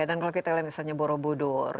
dan kalau kita lihat misalnya borobudur